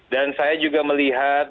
dan saya juga melihat